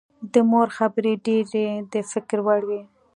د مور خبرې یې ډېرې د فکر وړ وې